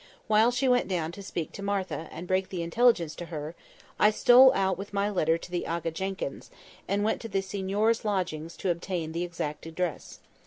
While she went down to speak to Martha, and break the intelligence to her, I stole out with my letter to the Aga Jenkyns, and went to the signor's lodgings to obtain the exact address.